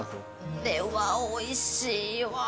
これはおいしいわ。